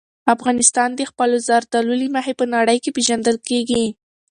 افغانستان د خپلو زردالو له مخې په نړۍ کې پېژندل کېږي.